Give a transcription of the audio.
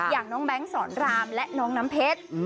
อย่างน้องแบงค์สอนรามและน้องน้ำเพชร